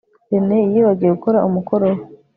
Rene yibagiwe gukora umukoro we